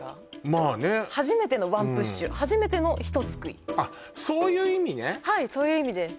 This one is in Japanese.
まあね初めてのワンプッシュ初めてのひとすくいあっそういう意味ねはいそういう意味です